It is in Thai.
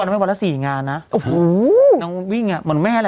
วันแล้ว๔งานวันเลยครับน้องวี่งหมดแม่แล้วล่ะ